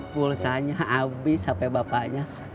pulsanya abis sampai bapaknya